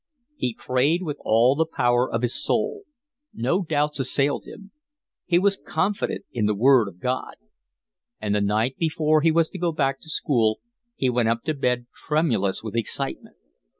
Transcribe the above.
He prayed with all the power of his soul. No doubts assailed him. He was confident in the word of God. And the night before he was to go back to school he went up to bed tremulous with excitement.